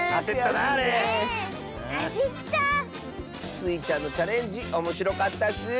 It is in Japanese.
スイちゃんのチャレンジおもしろかったッス！